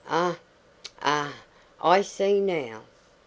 Ah, ah! I see now."